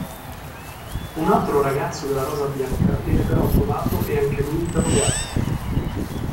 Un altro ragazzo della Rosa Bianca viene però trovato e anche lui interrogato.